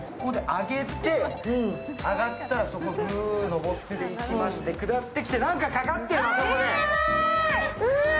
揚がったら、そこグーって上ってきまして、下ってきて、何かかかってる、あそこで。